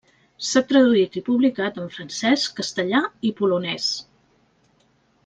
S'ha traduït i publicat en francès, castellà i polonès.